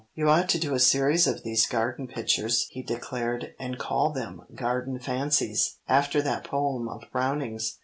"You ought to do a series of these garden pictures," he declared, "and call them 'Garden Fancies' after that poem of Browning's.